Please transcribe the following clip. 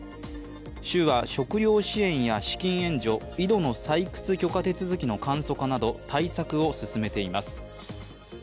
州は食糧支援や資金援助、井戸の採掘許可手続きの簡素化など、対策を進めています。